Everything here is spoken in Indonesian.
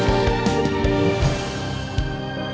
jangan lupa untuk mencoba